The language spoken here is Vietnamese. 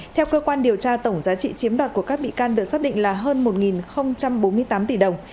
theo cơ quan điều tra tổng giá trị chiếm đoạt của các bị can được xác định là hơn một bốn mươi tám tỷ đồng